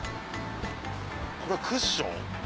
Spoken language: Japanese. これクッション？